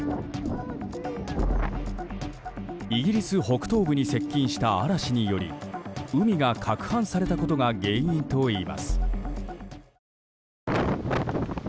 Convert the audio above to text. イギリス北東部に接近した嵐により海がかくはんされたことが原因といいます。